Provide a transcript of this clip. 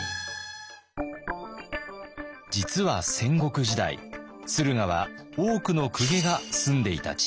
実は戦国時代駿河は多くの公家が住んでいた地域です。